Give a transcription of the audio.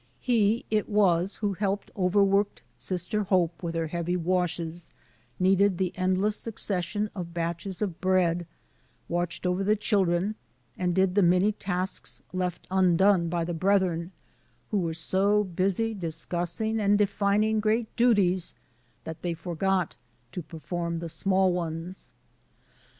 He it was who helped overworked Sister Hope with her heavy washes, kneaded the endless succession of batches of bread, watched over the children, and did the many tasks left I undone by the brethren, who were so busy dis ' cussing and defining great duties that they forgot to perform the small ones.